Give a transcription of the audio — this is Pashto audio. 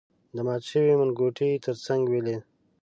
د مات شوی منګوټي تر څنګ ولید.